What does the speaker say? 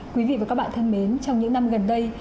quý vị và các bạn thân mến trong những năm gần đây